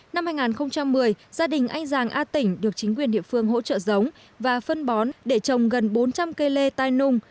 năm hai nghìn một mươi gia đình anh giàng a tỉnh được chính quyền địa phương hỗ trợ giống và phân bón để trồng gần bốn trăm linh cây lê tai nung